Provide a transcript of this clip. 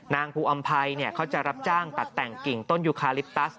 นางภูอำภัยเขาจะรับจ้างตัดแต่งกิ่งต้นยูคาลิปตัส